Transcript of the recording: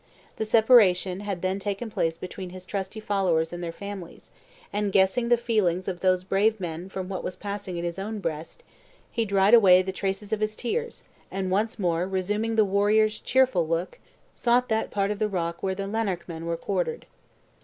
The separation had then taken place between his trusty followers and their families; and guessing the feelings of those brave men from what was passing in his own breast, he dried away the traces of his tears, and once more resuming the warrior's cheerful look, sought that part of the rock where the Lanarkmen were quartered.